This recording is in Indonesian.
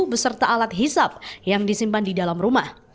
beserta alat hisap yang disimpan di dalam rumah